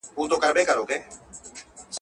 تر ابده له دې ښاره سو بېزاره.